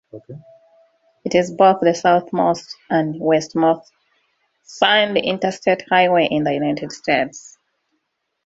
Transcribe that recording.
It is both the southernmost and westernmost signed Interstate Highway in the United States.